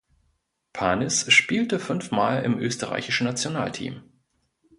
Panis spielte fünfmal im österreichischen Nationalteam.